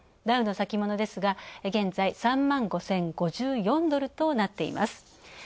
ダウの先物ですが現在、３万５０５４ドルとなっています。